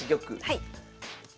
はい。